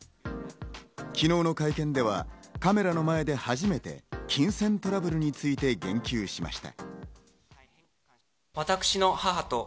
昨日の会見では、カメラの前で初めて金銭トラブルについて言及しました。